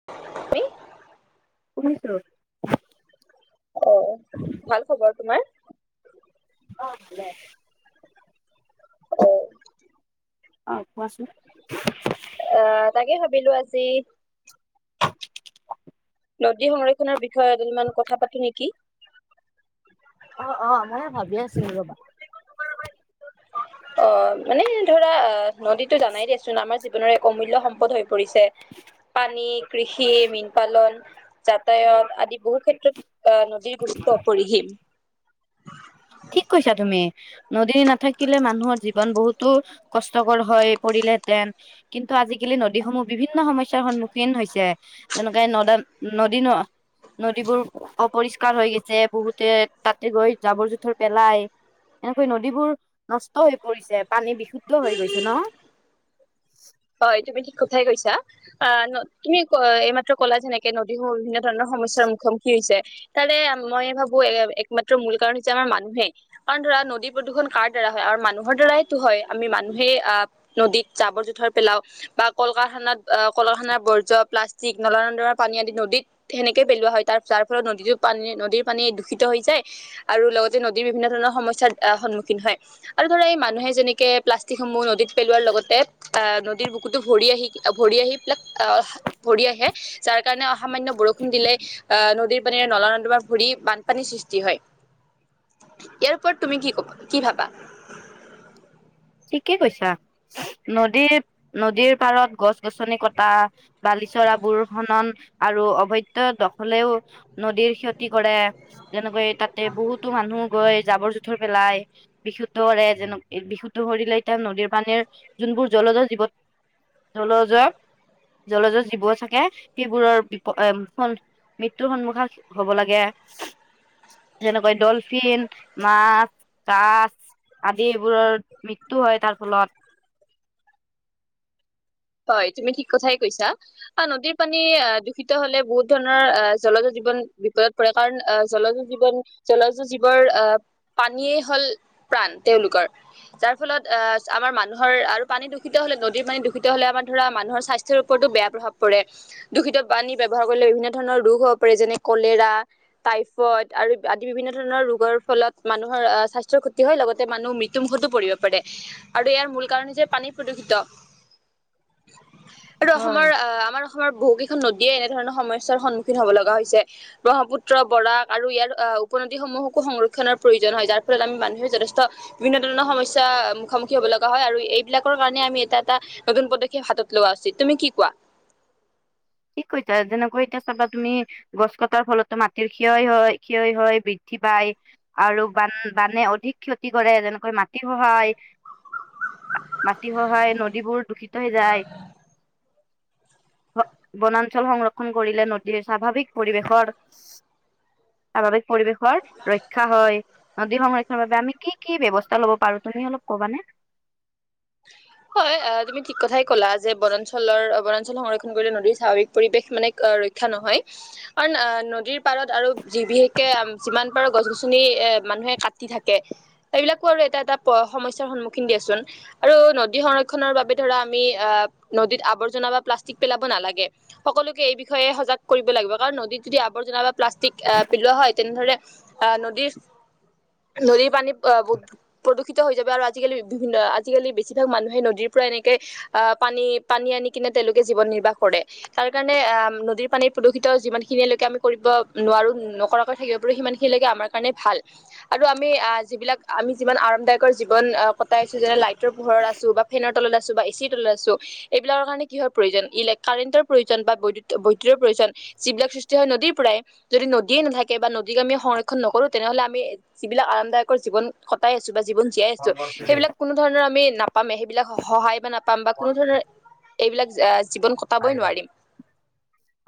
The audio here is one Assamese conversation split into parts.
[unintelligible] শুনিছ? অ', ভাল খবৰ তোমাৰ? অ', [unintelligible] অ', কোৱাচোন? এ, তাকে ভাবিলোঁ আজি নদী সংৰক্ষণৰ বিষয়ে অলপমান কথা পাতো নেকি? অ', অ', মইয়ে ভাবিয়ে আছিলো ৰ'বা। অ', এনে ধৰা অ', নদীতটো জানাই দিয়চোন আমাৰ জীৱনৰ এক অমূল্য সম্পদ হৈ পৰিছে। পানী, কৃষি, মীন পালন যাতায়াত আদি বহু ক্ষেত্ৰত, অ', নদীৰ গুৰুত্ব অপৰিসীম। ঠিক কৈছা তুমি, নদী নাথাকিলে মানুহৰ জীৱন বহুতো কষ্টকৰ হৈ পৰিলেহেতেন কিন্তু আজিকালি নদীসমূহ বিভিন্ন সমস্যাৰ সন্মুখীন খীন হৈছে, যেনেকে নদেন নদী নহয় নদীবোৰ অপৰিষ্কাৰ হৈ গৈছে, বহুতে তাতে গৈ জাবৰ-জোথৰ পেলাই। এনেকৈ নদীবোৰ নষ্ট হৈ পৰিছে পানী বিশুদ্ধ হৈ গৈছে ন'? হয়, তুমি ঠিক কথাই কৈছা। অ', তুমি এইমাত্ৰ ক'লা যেনেকে নদীবোৰ বিভিন্ন ধৰণৰ সমস্যয়াৰ মুখামুখি হৈছে। তাৰে মই ভাবো এ একমাত্ৰ মূল কাৰণ হৈছে আমাৰ মানুহেই। কাৰণ ধৰা নদী প্ৰদূষণ কাৰ দ্বাৰা হয়, আৰু মানুহৰ দ্বাৰাইতো হয়, আমি মানুহেই আহ নদীত জাবৰ-জোথৰ পেলাওঁ, বা ক'ল কাৰখানাত ক'ল কাৰখানাৰ বৈ যোৱা প্লাষ্টিক নলা-নৰ্দমা পানী আদি নদীত সেনেকে পেলোৱা হয় তাৰ, তাৰ ফলত নদীটো পানী নদীৰ পানী দূষিত হৈ যায়। আৰু লগতে নদীৰ বিভিন্ন ধৰণৰ সমস্যাৰ সন্মুখীন হয় আৰু ধৰা মানুহে যেনেকে প্লাষ্টিক সমূহ নদীত পেলোৱাৰ লগতে এ, নদীৰ বুকুটো ভৰি আহি ভৰি আহি এই বিলাক আহ ভৰি আহে। যাৰ কাৰণে অ', সামান্য বৰষুণ দিলেই অহ, নদীৰ পানী-নলা নৰ্দমাত পৰি বানপানীৰ সৃষ্টি হয়। ইয়াৰ ওপৰত তুমি কি ক'বা কি ভাবা? ঠিকে কৈছা। নদীৰ নদীৰ পাৰত গছ-গছনি কটা। বালিচৰা বোৰ খনন আৰু অবৈধ দখলেও নদীৰ ক্ষতি কৰে যেনেকৈ তাতে বহুত টো মানুহ গৈ জাবৰ-জোথৰ পেলাই, বিশুদ্ধ কৰে যেনেকৈ বিশু কৰিলে এতিয়া নদীৰ পানীৰ যোনবোৰ জলজ জীৱন জলজ জলজ জীৱ থাকে, সেইবোৰৰ বি [unintelligible] ফ মৃত্যুৰ সন্মুখা হ'ব লাগে যেনেকৈ ডলফিন, মাছ, কাছ আদি এইবোৰৰ মৃত্যু হয় তাৰ ফলত। হয়, তুমি ঠিক কথাই কৈছা। অ', নদীৰ পানী দূষিত হ'লে বহুত ধৰণৰ জলজ জীৱন বিপদত পৰে কাৰণ আহ, জলজ জীৱন জলজ জীৱৰ আহ পানীয়েই হ'ল প্ৰাণ তেওঁলোকৰ। যাৰ ফলত আ, আমাৰ মানুহৰ আৰু পানী দূষিত হ'লে নদীৰ পানী দূষিত হ'লে আমাৰ ধৰা মানুহৰ স্বাস্থ্যৰ ওপৰতো বেয়া প্ৰভাৱ পৰে। দূষিত পানী ব্যৱহাৰ কৰিলে বিভিন্ন ধৰণৰ ৰোগ হ'ব পাৰে যেনে কলেৰা টাইফইদ আৰু আদি বিভিন্ন ধৰণৰ ৰোগৰ ফলত মানুহৰ আহ স্বাস্থ্যৰ ক্ষতি হয় লগতে মানুহ মৃত টো মুখতো পৰিব পাৰে আৰু ইয়াৰ মূল কাৰণ হৈছে পানী প্ৰদূষিত। আৰু হয় অসমৰ আহ আমাৰ অসমৰ বহু কেইখন নদীয়ে এনেধৰণৰ সমস্যাৰ সন্মুখীন হব লগা হৈছে। ব্ৰহ্মপুত্ৰ, বৰাক আৰু ইয়াৰ আহ উপনদীসমূহকো সংৰক্ষণৰ প্ৰয়োজন হয় যাৰ ফলত আমি মানুহে যথেষ্ট বিভিন্ন ধৰণৰ সমস্যা মুখামুখি হব লগা হয় আৰু এইবিলাকৰ কাৰণে আমি এটা এটা নতুন পদক্ষেপ হাতত লোৱা উচিত তুমি কি কোৱা। ঠিক কৈতা যেনেকৈ এতিয়া চাবা তুমি গছ কটাৰ ফলততো মাটিৰ ক্ষয় হয় ক্ষয় হয় বি ঠিপাই পায় আৰু বান বানে অধিক ক্ষতি কৰে যেনেকৈ মাট টি খহায় মা মাটি খহাই নদীবোৰ দূষিত হৈ যায়। বনাঞ্চল সংৰক্ষণ কৰিলে নদীৰ স্বাভাৱিক পৰিৱেশৰ তাৰ বাবে পৰিৱেশৰ ৰক্ষা হয় নদী সংৰ ক্ষণ বাবে আমি কি ব্যৱস্থা ল'ব পাৰো তুমি অলপ ক'বানে। হয় [inaudible] হয় আ তুমি ঠিক কথাই ক'লা যে বনাঞ্চলৰ অ বনাঞ্চল সংৰক্ষণ কৰিলে নদীৰ স্বাভাৱিক পৰিৱেশ মানে ৰ ক্ষা নহয় কাৰণ আহ নদীৰ পাৰত আৰু যি বিশেষকে যিমান পাৰো গছ গছনি এ মানুহে কাটি থাকে এইবিলাকো আৰু এটা এটা প সমস্যাৰ সন্মুখীন দিয়েচোন। আৰু নদী সংৰক্ষনৰৰ বাবে ধৰা আমি আহ নদীত আৱৰ্জনা বা প্লাষ্টিক পেলাব নালাগে। সকলোকে এই বিষয়ে সজাগ কৰিব লাগিব কাৰণ নদীত যদি আৱৰ্জনা বা প্লাষ্টিক আহ পিলোৱা হয় তেনেধৰণে আহ নদি নদীৰ পানী আ প প্ৰদূষিত হৈ যাব আৰু আজিকালি বিভিন্ন আজিকালি বেছিভাগ মানুহে নদীৰ পৰা এনেকে আহ পানী পানী আনি কিনে তেওঁলোকে জীৱন নিৰ্বাহ কৰে। তাৰকাৰণে আ নদীৰ পানী প্ৰদূষিত যিমান খিনিলৈকে আমি কৰিব নোৱাৰো নকৰাকৈ থাকিব পাৰো সিমান খি লেকে আমাৰ কাৰণে ভাল আৰু আমি আহ যিবিলাক আমি যিমান আৰামদায়কৰ জীৱন আ কটাইছো যেনে লাইট টৰ পোহৰত আছো বা ফেনৰ তলত আছো বা এ চিৰ তলত আছো এইবিলাকৰ কাৰণে কিহৰ প্ৰয়োজন ইলে কাৰেণ্টৰ প্ৰয়োজন বা বৈ বৈদ্যুতৰ প্ৰয়োজন যিবিলাক সৃষ্টি হয় নদীৰ পৰাই যদি নদীয়ে নাথাকে বা নদীক আমি সংৰক্ষণ নকৰো তেনেহলে আমি যিবিলাক আৰামদায়কৰ জীৱন কটাই আছো বা জীৱন জীয়াই আছো সেইবিলাক কো ধৰণৰ আমি নাপামে সেইবিলাক হ সহায় বা নাপ পাম বা কোনো ধৰণৰ এইবিলাক আ জীৱন ক আহিবা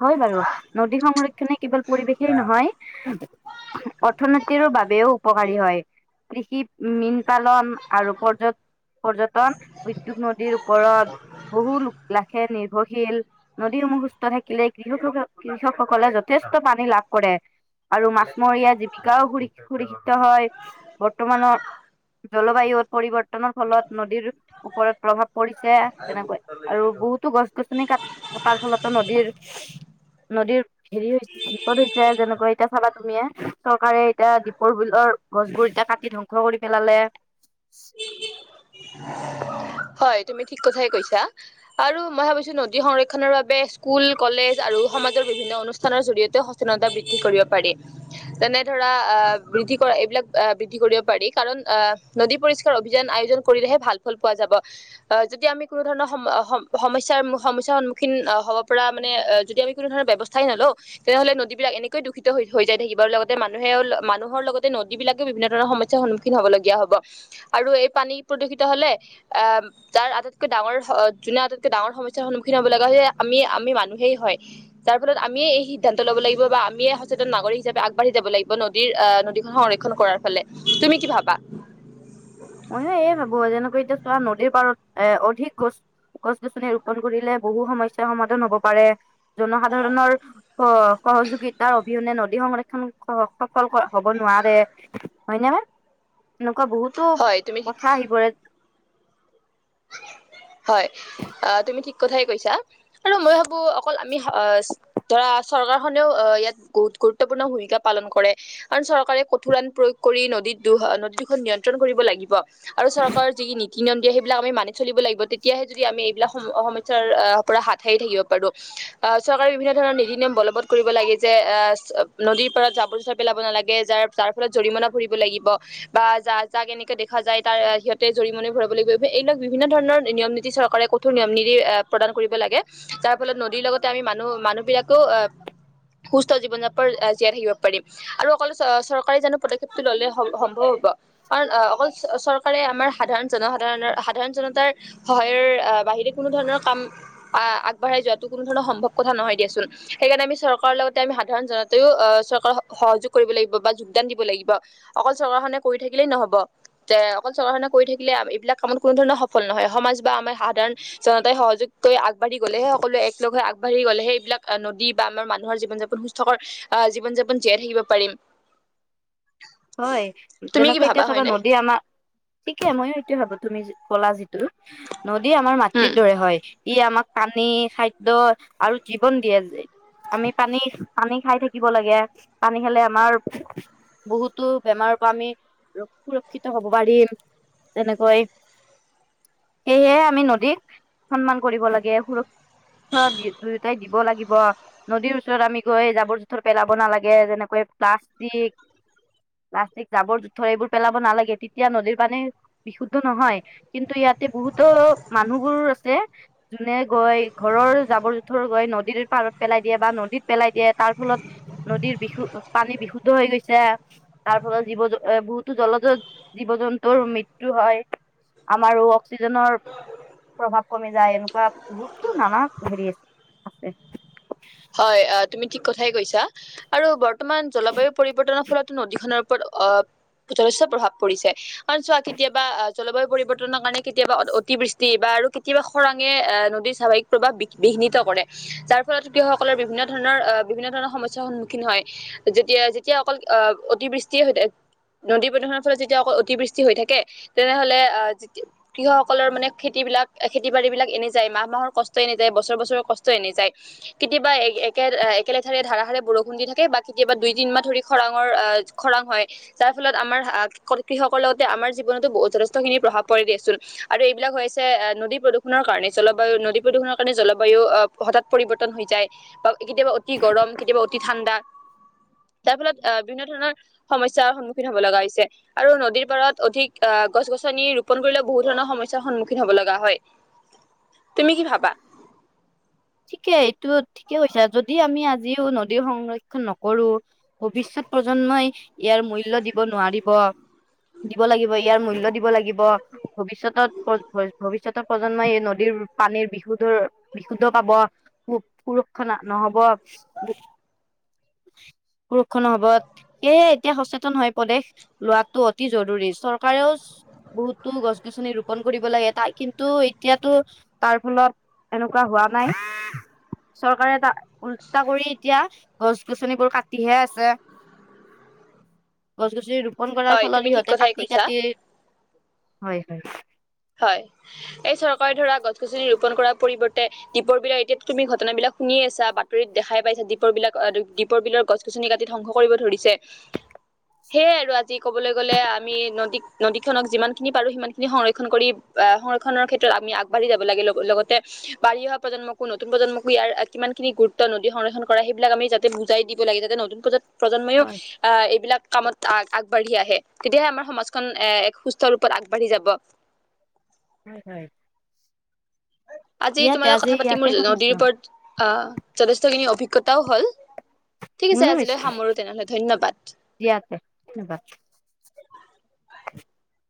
হয় বাৰু নদী সংৰক্ষণে কেৱল পৰিৱেশেই নহয় অৰ্থনৈতিৰো বাবেও উপকাৰী হয়। কৃষি মীন পালন আৰু পৰ্যট পৰ্যটন উদ্যোগ নদীৰ ওপৰত বহু লোক লাখে নি শীল নদীসমূহ সুস্থ থাকিলে কৃষসক কৃষকসকলে যথেষ্ট পানী লাভ কৰে। আৰু মাছমৰীয়া জীৱিকাও হোৰি সুৰিক্ষিত হয়। বৰ্তমানৰ জলবায়ু পৰিৱৰ্তনৰ ফলত নদীৰ ওপৰত প্ৰভাৱ পৰিছে তেনেকৈ আৰু বহুতো গছ গছনি কাট কটাৰ ফলতো নদীৰ নদীৰ হেৰি হৈছে। বিপদ হৈছে যেনেকৈ এতিয়া চালা তুমিয়ে চৰকাৰে এতিয়া দীপৰ বিলৰ গছ বোৰ এতিয়া কাটি ধংস ধংস কৰি পেলালে। [inaudible] হয়, তুমি ঠিক কথাই কৈছা। আৰু মই ভাবিছোঁ নদী সংৰক্ষনৰৰ বাবে স্কুল, কলেজ আৰু সমাজৰ বিভিন্ন অনুষ্ঠানৰ জৰিয়তে বৃদ্ধি কৰিব পাৰি। তেনে ধৰা, আহ বৃদ্ধি কৰা, এইবিলাক আহ বৃদ্ধি কৰিব পাৰি, কাৰণ আহ নদী পৰিস্কাৰ অভিযান আয়োজন কৰিলেহে ভাল ফল পোৱা যাব। যেতিয়া আমি কোনো ধৰণৰ সম, সমস্যাৰ, সমস্যাৰ সন্মুখীন হ'ব পৰা মানে, যদি আমি কোনো ধণৰ ব্যৱস্থা নলওঁ। তেনেহ'লে নদীবিলাক এনেকয়ে দূষিত হৈ, হৈ যায় থাকিব, আৰু লগতে মানুহে, মানুহৰ লগতে নদীবিলাকো বিভিন্ন ধৰণৰ সমস্যা সন্মুখীন হবলগীয়া হ'ব, আৰু এই পানী প্ৰদূষিত হ'লে, আহ তাৰ আটাইতকৈ ডাঙৰ, যোনে আটাইতকৈ ডাঙৰ সমস্যাৰ সন্মুখীন হ'ব লগা হৈছে, আমি, আমি মানুহেই হয়। যাৰ ফলত আমিয়ে এই সিদ্ধ্ত লব লাগিব, বা আমিয়ে সচেতন নাগৰিক হিচাপে আগবঢ়ি যাব লাগিব ন নদীৰ, নদীখন সংৰক্ষণ কৰাৰ ফালে, তুমি কি ভাবা? মইয়ু এয় ভাবো, যেনেকৈ এতিয়া চোৱা, নদীৰ পাৰত এ অধিক গছ গছ-গছনি ৰোপন কৰিলে বহু সমস্যা সমাধান হ'ব পাৰে। জনসাধাৰণৰ সহযোগিতাৰ অবিহনে নদী সংৰক্ষণ সফল হ'ব নোৱাৰে, হয় নে, এনেকুৱা বহুতো হয় তুমি ঠিক কথা আহিপৰে। হয়, অ', তুমি ঠিক কথাই কৈছা, আৰু মই ভাবো অকল আমি ধৰা চৰকাৰখনেও ইয়াত বহুত গুৰুত্বপূৰ্ণ ভূমিকা পালন কৰে। আৰু চৰকাৰে কঠোৰৰান প্ৰয়োগ কৰি নদীত দু, নদী দুখন নিয়ন্ত্ৰণ কৰিব লাগিব। আৰু চৰকাৰৰ যি নীতি নিয়ম দিয়ে, সেই এইবিলাক আমি মানি চলিব লাগিব, তেতিয়াহে যদি আমি এইবিলাক সমস্যাৰ পৰা হাত সাৰি থাকিব পাৰোঁ। আহ চৰকাৰে বিভিন্ন ধৰণৰ নীতি নিয়ম বলবৎ কৰিব লাগে, যে আহ নদীৰ পাৰত জাৱৰ জোথাৰ পেলাব নালাগে, যাৰ যাৰ ফলত জৰিমনা ভৰিব লাগিব, বা যা, যাক কেনেকে দেখা যায়, তাৰ সিহঁতে জৰিমনা ভৰিবলৈ গৈ এইবিলাক বিভিন্ন ধৰণৰ নিয়ম নীতি চৰকাৰে কঠোৰ নিয়ম নীতি প্ৰদান কৰিব লাগে। যাৰ ফলত নদীৰ লগতে আমি মানুহ, মানুহ বিলাকো অ', সুস্থ জীৱন যাপন জীয়াই থাকিব পাৰিম। আৰু অকল চ, চৰকাৰে জানো পদক্ষেপটো ললে সম্ভৱ হ'ব। কাৰণ অ', অকল চৰকাৰে আমাৰ সাধাৰণ জনসাধাৰণৰ সাধাৰণ জনতাৰ সহায়ৰ বাহিৰে কোনো ধৰনৰ কাম আহ আগবঢ়াই যোৱাতো কোন ধণৰ সম্ভৱ কথা নহয় দিয়াচোন, সেইকাৰণে আমি চৰকাৰৰ লগতে আমি সাধাৰণ জন তয়ও অ', চৰকাৰ সহযোগ কৰিব লাগিব, বা যোগদান দিব লাগিব, অকল চৰকাৰখনে কৰি থাকিলেই নহব। যে অকল চৰকাৰ খনে কৰি থাকিলে, এইবিলাক কামত কোনো ধৰণৰ সফল নহয়, সমাজ বা আমাৰ সাধাৰণ জনতাই সহযোগ কৰি আগবাঢ়ি গ'লে হে সকলোৱ একলগ হৈ আগবাঢি গলে হে সেইবিলাক নদী বা আমাৰ মানুহৰ জীৱন জাপন সুস্থকৰ, আহ জীৱন-যাপন জীয়াই থাকিব পাৰিম। হয়, তুমি কি যেনেকৈ এতিয়া ভাবা চাবা হয়নে? নদী আমাৰ, ঠিকে মইয়ো এতিয়া ভাবো তুমি কলা জিটো। নদী আমাৰ মাতৃ উম। দৰে হয়, ই আমাক পানী, খাদ্যয় আৰু জীৱন দিয়ে যে। আমি পানী, পানী খাই থাকিব লাগে, পানী খালে আমাৰ বহুত টো, বেমাৰৰ পৰা আমি সুৰক্ষিত হ'ব পাৰিম, তেনেকৈ। সেয়েহে আমি নদীক সন্মান কৰিব লাগে। অ', দুয়োটাই দিব লাগিব। নদীৰ ওচৰত আমি গৈ জাবৰ জোথৰ পেলাব নালাগে, যেনেকৈ, প্লাষ্টিক প্লাষ্টিক জাবৰ জোথৰ এইবোৰ পেলাব নালাগে, তেতিয়া নদীৰ পানী বিশুতধ নহয়, কিন্তু ইয়াতে বহুতো মানুহবোৰ আছে। যোনে গৈ ঘৰৰ জাবৰ-জোথৰ গৈ নদীৰ পাৰত পেলাই দিয়ে বা নদীত পেলাই দিয়ে তাৰ ফলত নদীৰ বিশু পানী বিশুদ্ধ হৈ গৈছে। তাৰ ফলত জীৱ বহুতো জলজ জীৱ জন্তুৰ মৃত্যু হয়। আমাৰো অক্সিজেনৰ প্ৰভাৱ কমি যায়, এনেকুৱা বহুতটো নানা হেৰি আছে হয় অ তুমি ঠিক কথাই কৈছা। আৰু বৰ্তমান জলবায়ু পৰিৱৰ্তনৰ ফলতো নদীখনৰ ওপৰত আহ যথেষ্ট প্ৰভাৱ পৰিছে। কাৰণ চোৱা কেতিয়াবা জলবায়ু পৰিৱৰ্তনৰ কাৰণে কেতিয়াবা অ অতিবৃষ্টি বা আৰু কেতিয়াবা খৰাঙে এ নদীৰ স্বাভাৱিক প্ৰভাৱ বিঘ্নিত কৰে। যাৰ ফলত কৃষকসকলৰ বিভিন্ন ধৰণৰ বিভিন্ন ধৰণৰ সমস্যাৰ সন্মুখীন হয়। যেতিয়া যেতিয়া অকল আহ অতিবৃষ্টিয়ে হৈ থাকে নদী প্ৰদূষণৰ ফলত যেতিয়া অকল অতিবৃষ্টি হৈ থাকে, তেনেহ'লে আহ কৃষকসকলৰ মানে খেতিবিলাক খেতি বাৰী বিলাক এনে যায়। মাহ মাহৰ কষ্ট এনে যায় বছৰ বছৰৰ কষ্ট এনে যায়। কেতিয়া একে একে একলেঠাৰীয়ে ধাৰাসাৰে বৰষুণ দি থাকে, বা কেতিয়াবা দুইতিনিমাহ ধৰি খৰাঙৰ আ খৰাং হয়। যাৰ ফলত আমাৰ কৃষকৰ লগতে আমাৰ জীৱনতো বহু যথেস্থ খিনি প্ৰভাব পৰে দিয়াচোন। আৰু এইবিলাক হৈছে নদী প্ৰদূষণৰ কাৰণে, জলবায়ু নদী প্ৰদূষণৰ কাৰণে জলবায়ু হঠাৎ পৰিৱৰ্ত ন হৈ যায় বা কেতিয়াবা অতি গৰম কেতিয়াবা অতি ঠাণ্ডা তাৰ ফলত আহ বিভিন্ন ধৰণৰ সমস্যাৰ সন্মুখীন হ'ব লগা হৈছে। আৰু নদীৰ পাৰত অধিক আহ গছ-গছনি ৰোপন কৰিলে বহু ধৰণৰ সমস্যাৰ সন্মুখীন হ'ব লগা হয়। তুমি কি ভাবা? ঠিকে এইটো ঠিকেই কৈছা, যদি আমি আজিও নদীৰ সংৰক্ষন নকৰো ভৱিষ্যত প্ৰজন্মই ইয়াৰ মূল্য দিব নোৱাৰিব। দিব লাগিব, ইয়াৰ মূল্য দিব লাগিব। ভৱিষ্যতত ভৱিষ্যতৰ প্ৰজন্মই এই নদীৰ পানীৰ বিশুদ্ধৰ শুদ্ধ পাব, সু-সুৰক্ষা নহ'ব সুৰক্ষানৰ [unintelligible] সেয়েহে এতিয়া সচেতন হৈ পৰে লোৱাটো অতি জৰুৰী। চৰকাৰেও বহুতো গছ-গছনি ৰোপন কৰিব লাগে, তাক কিন্তু এতিয়া টো তাৰ ফলত এনেকুৱা হোৱা নাই। চৰকাৰে টা উলটা কৰি এতিয়া গছ-গছনিবোৰ কাটিহে আছে। গছ-গছনি ৰোপন কৰাৰ হয় ফলত তুমি ঠিক সিহঁতে কথাই কাটি কৈছা কাটি, হয় হয়। হয়। এই চৰকাৰে ধৰা গছ-গছনি ৰোপন কৰাৰ পৰিৱৰ্তে দীপ বিলৰ এতিয়াত তুমি ঘটনাবিলাক শুনি আছা। বাতৰিত দেখাই পাইছা দীপৰ বিলৰ দীপৰ বিলৰ গছ গছ-গছনি কাটিত ধ্বংস কৰিব ধৰিছে। সেয়ে আৰু আজি ক'বলৈ গ'লে, আমি নদী নদী খনক যিমান খিনি পাৰো সিমান খিনি সংৰক্ষ ক্ষণ কৰি, আহ সংৰক্ষণৰ ক্ষেত্ৰত আমি আগবাঢ়ি যাব লাগে-লগতে বাঢ়ি অহা প্ৰজন্মকো নতুন প্ৰজন্মকো ইয়াৰ কিমান খিনি গুৰুত্ব নদী সংৰক্ষণ কৰা সেইবিলাক আমি বুজাই দিব লাগে যাতে নতুন প্ৰজ-প্ৰজন্মও হয় আহ এইবিলাক কামত আগবাঢ়ি আহে, তেতিয়াহে আমাৰ সমাজখন এ এক সুস্থ ৰূপত আগবাঢ়ি যাব। নাই নাই। আজি তোমাৰ লগত কথা পাতি মোৰ নদীৰ ওপৰত আহ যথেষ্টখিনি অভিজ্ঞতাও হ'ল। ঠিক আছে মোৰো হৈছে আজিলৈ সামৰো তেনেহ'লে ধন্যবাদ। দিয়া তেনে ধন্যবাদ। [unintelligible]